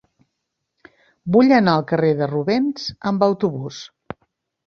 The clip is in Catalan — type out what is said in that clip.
Vull anar al carrer de Rubens amb autobús.